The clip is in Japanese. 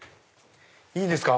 ⁉いいですか？